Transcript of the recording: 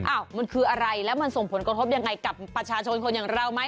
อ้าวมันคืออะไรแล้วมันส่งผลกระทบยังไงกับประชาชนคนอย่างเราไหม